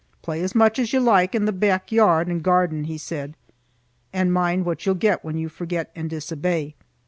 "Play as much as you like in the back yard and garden," he said, "and mind what you'll get when you forget and disobey."